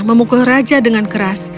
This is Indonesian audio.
dia menanggung raja dengan keras